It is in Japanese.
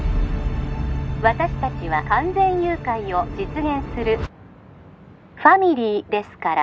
☎私達は完全誘拐を実現する☎ファミリーですから